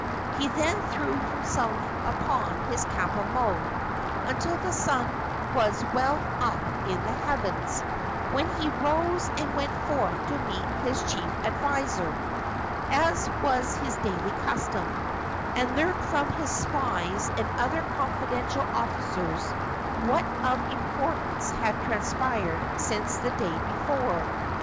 He then threw himself upon his kapa moe until the sun was well up in the heavens, when he rose and went forth to meet his chief adviser, as was his daily custom, and learn from his spies and other confidential officers what of importance had transpired since the day before.